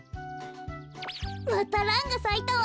またランがさいたわ。